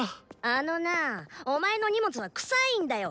あのなお前の荷物は臭いんだよ